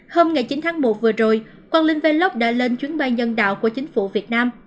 hôm ngày chín tháng một vừa rồi quang linh velox đã lên chuyến bay nhân đạo của chính phủ việt nam